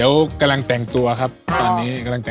ออกไปแค่นี้ไปอีก